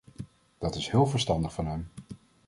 Dat is heel verstandig van hem!